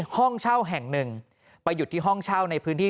ห้องเช่าแห่งหนึ่งไปหยุดที่ห้องเช่าในพื้นที่